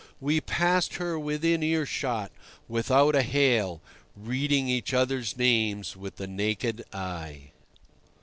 We passed her within earshot, without a hail, reading each other's names with the naked eye.